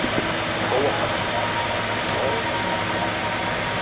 Fou afeccionat al futbol i al teatre.